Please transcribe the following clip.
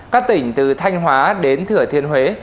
các tỉnh từ thanh hóa đến thửa thiên huế